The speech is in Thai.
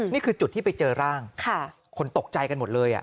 นี่คือจุดที่ไปเจอร่างคนตกใจกันหมดเลย